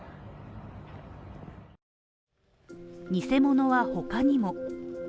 偽者は他にも。